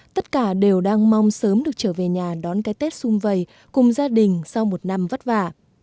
tất cả đều đang mong sớm được trở về nhà đón cái tết xung vầy cùng gia đình sau một năm vất vả